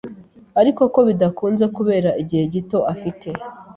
ariko ko bidakunze kubera igihe gito afite